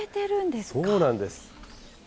そうなんです。